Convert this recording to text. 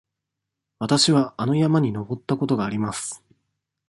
わたしはあの山に登ったことがあります。